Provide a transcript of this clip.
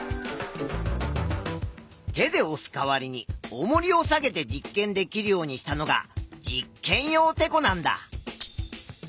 手でおす代わりにおもりを下げて実験できるようにしたのが実験用てこなんだ。